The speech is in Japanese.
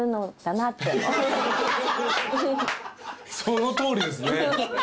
そのとおりですね。